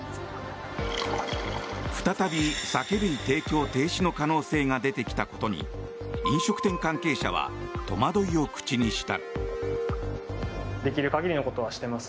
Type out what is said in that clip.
再び酒類提供停止の可能性が出てきたことに飲食店関係者は戸惑いを口にした。